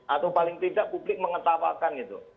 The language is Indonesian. atau paling tidak publik mengetawakan itu